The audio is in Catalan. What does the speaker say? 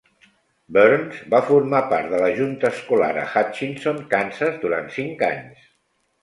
Burns va formar part de la junta escolar a Hutchinson, Kansas, durant cinc anys.